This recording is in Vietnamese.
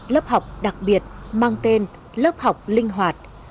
lớp học đặc biệt mang tên lớp học linh hoạt